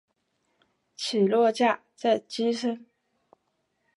起落架在机身。